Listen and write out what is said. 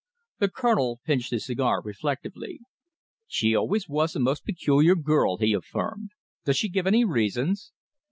The Colonel pinched his cigar reflectively. "She always was a most peculiar girl," he affirmed. "Does she give any reasons?"